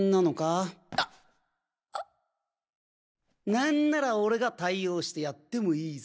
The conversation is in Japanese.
なんなら俺が対応してやってもいいぜ。